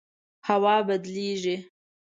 هوا بدلیږي